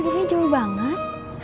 kok aa duduknya jauh banget